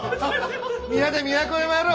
皆で都へ参ろう。